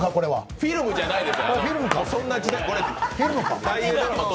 フィルムじゃないです。